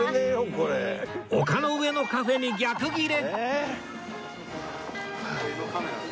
丘の上のカフェに逆ギレ！